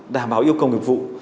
đảm bảo yêu cầu nghiệp vụ